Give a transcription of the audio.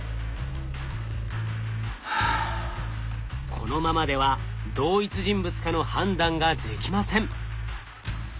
このままでは同一人物かの判断ができません。